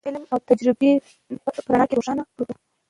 د علم او تجربې په رڼا کې یې روښانه کړو.